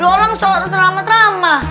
lo orang so so ceramah ceramah